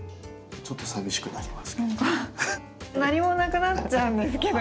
ちょっと寂しくなりますけど。